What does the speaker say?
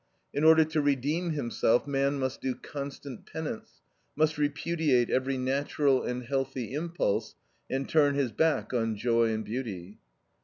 In order to redeem himself man must do constant penance, must repudiate every natural and healthy impulse, and turn his back on joy and beauty.